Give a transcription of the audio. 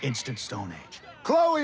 おい！